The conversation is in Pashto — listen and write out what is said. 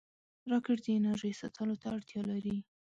راکټ د انرژۍ ساتلو ته اړتیا لري